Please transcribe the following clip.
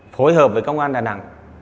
phối hợp với công an đà nẵng